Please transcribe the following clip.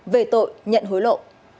về tội nhận hối lộ